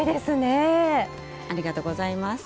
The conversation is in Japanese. ありがとうございます。